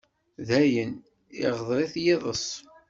D ayen, iɣder-it yiḍes.